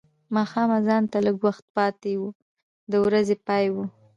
ماښام اذان ته لږ وخت پاتې و د ورځې پای و.